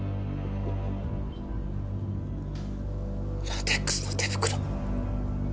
ラテックスの手袋。